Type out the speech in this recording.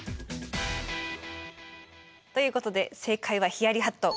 ということで正解は「ヒヤリハット」。